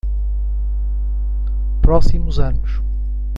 Próximos anos